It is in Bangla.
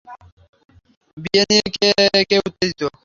বিয়ে নিয়ে কে কে উত্তেজিত?